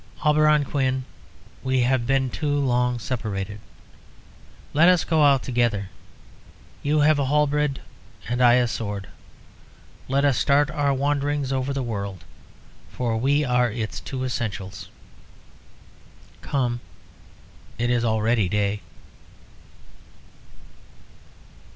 Auberon Quin, we have been too long separated; let us go out together. You have a halberd and I a sword, let us start our wanderings over the world. For we are its two essentials. Come, it is already day."